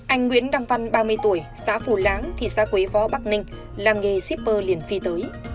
anh nguyễn đăng văn ba mươi tuổi xã phù láng thị xã quế võ bắc ninh làm nghề shipper liền phi tới